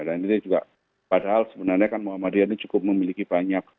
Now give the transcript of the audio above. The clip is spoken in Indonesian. ini juga padahal sebenarnya kan muhammadiyah ini cukup memiliki banyak